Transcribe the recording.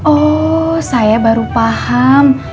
oh saya baru paham